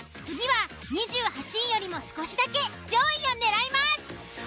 次は２８位よりも少しだけ上位を狙います。